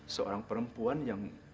seorang perempuan yang